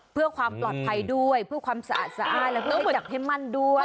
เพื่อความปลอดภัยด้วยเพื่อความสะอาดและเพื่อให้จักเท่ามันด้วย